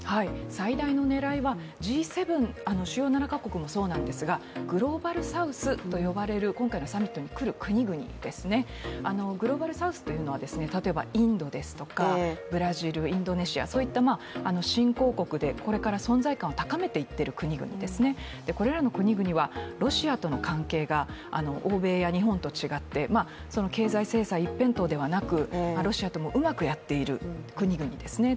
最大の狙いはＧ７＝主要７か国もそうなんですがグローバルサウスと呼ばれる今回のサミットに来る国々ですね、グローバルサウスというのは、インドですとか、ブラジル、インドネシア、新興国でこれから存在感を高めていっている国々ですね、これらの国々はロシアとの関係が欧米や日本と違って経済制裁一辺倒ではなくロシアともうまくやっている国々ですね。